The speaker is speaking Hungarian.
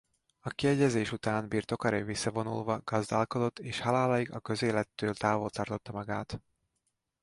A kiegyezés után birtokaira visszavonulva gazdálkodott és haláláig a közélettől távol tartotta magát.